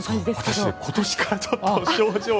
私、今年からちょっと症状が。